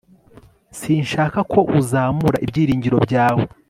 sinshaka ko uzamura ibyiringiro byawe